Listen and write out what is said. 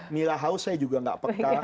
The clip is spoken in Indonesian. mila haus saya juga gak peka